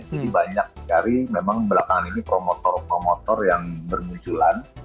jadi ada banyak dari memang belakangan ini promotor promotor yang berminculan